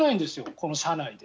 この社内で。